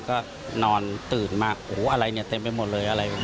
ก็นอนตื่นมาอะไรเต็มไปหมดเลย